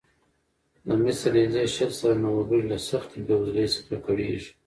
د مصر نږدې شل سلنه وګړي له سختې بېوزلۍ څخه کړېږي.